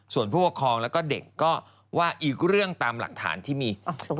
ส่วนผู้ปกครองแล้วก็เด็กก็ว่าอีกเรื่องตามหลักฐานที่มี